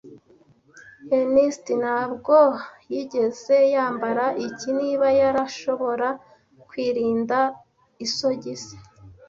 Einstein ntabwo yigeze yambara iki niba yarashobora kwirinda Isogisi